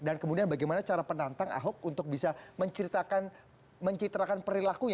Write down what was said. dan kemudian bagaimana cara penantang ahok untuk bisa mencitrakan perilakunya